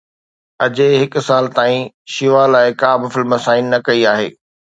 اجي هڪ سال تائين شيوا لاءِ ڪا به فلم سائن نه ڪئي آهي